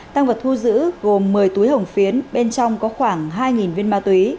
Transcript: tăng vật thu giữ gồm một mươi túi hồng phiến bên trong có khoảng hai viên ma túy